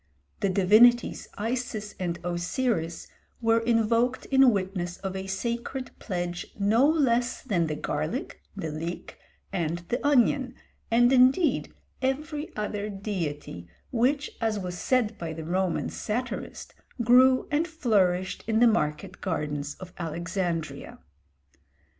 The divinities Isis and Osiris were invoked in witness of a sacred pledge no less than the garlic, the leek, and the onion, and indeed every other deity which, as was said by the Roman satirist, grew and flourished in the market gardens of Alexandria.